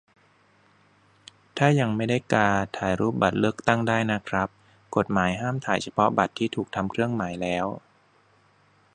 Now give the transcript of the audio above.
ถ้ายังไม่ได้กา ถ่ายรูปบัตรเลือกตั้งได้นะครับ กฎหมายห้ามถ่ายเฉพาะบัตรที่ถูกทำเครื่องหมายแล้ว